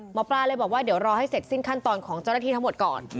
หมอปลาเลยบอกว่าเดี๋ยวรอให้เสร็จสิ้นขั้นตอนของเจ้าหน้าที่ทั้งหมดก่อน